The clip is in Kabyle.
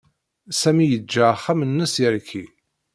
Sami yeǧǧa axxam-nnes yerki.